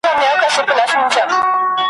خو شعر په مشخصه او ټاکلې ژبه لیکل کیږي ,